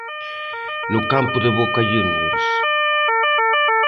No campo de Boca Juniors.